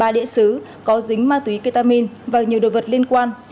ba địa sứ có dính ma túy ketamin và nhiều đồ vật liên quan